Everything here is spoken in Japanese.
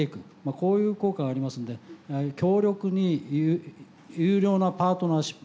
こういう効果がありますんで強力に優良なパートナーシップにつながる。